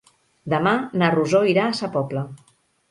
Demà na Rosó irà a Sa Pobla.